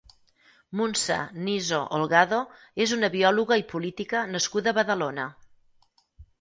Muntsa Niso Holgado és una biòloga i política nascuda a Badalona.